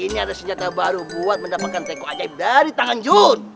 ini ada senjata baru buat mendapatkan teko ajaib dari tangan juh